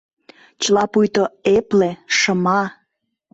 Чыла пуйто эпле, шыма.